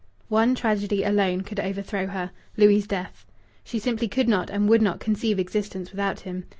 One tragedy alone could overthrow her Louis' death. She simply could not and would not conceive existence without him.